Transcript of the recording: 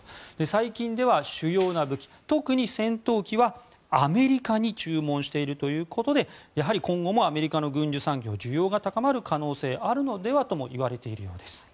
最近では主要な武器特に戦闘機はアメリカに注文しているということでやはり今後もアメリカの軍需産業需要が高まる可能性があるのではとも言われているようです。